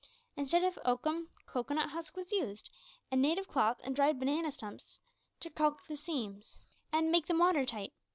Instead of oakum, cocoanut husk was used, and native cloth and dried banana stumps to caulk the seams, and make them watertight.